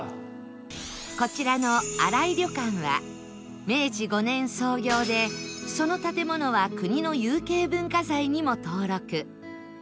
こちらの新井旅館は明治５年創業でその建物は国の有形文化財にも登録